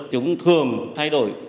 chúng thường thay đổi